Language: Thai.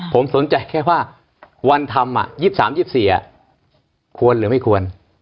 ผมสนใจแค่ว่าวันทำ๒๓๒๔ควรหรือไม่ควร